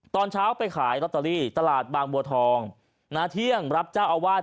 ตอนเช้าไปขายลอตเตอรี่ตลาดบางบัวทองนาเที่ยงรับเจ้าอาวาส